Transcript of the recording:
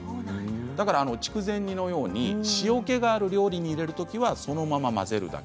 だから筑前煮のように塩けがある料理に出るときはそのまま混ぜるだけ。